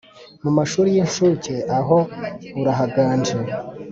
Mu mashuri y’inshuke aho urahaganje